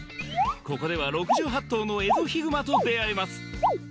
ここでは６８頭のエゾヒグマと出会えます